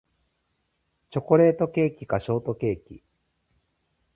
チョコケーキかショートケーキ